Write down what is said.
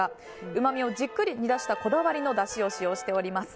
うまみをじっくり煮だしたこだわりのだしを使用しております。